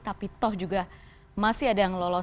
tapi toh juga masih ada yang lolos